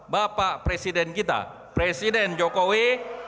bapak presiden kita presiden jokowi